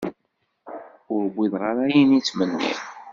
Ur wwiḍeɣ ara ayen i ttmenniɣ.